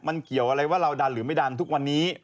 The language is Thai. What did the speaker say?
มันเกี่ยวอะไรว่าเราดันหรือไม่ดันทุกวันนี้